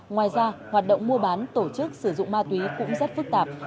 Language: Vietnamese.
ngoài ra hoạt động mua bán tổ chức sử dụng ma túy cũng rất phức tạp